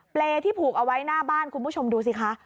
เปรย์ที่ผูกเอาไว้หน้าบ้านคุณผู้ชมดูสิคะ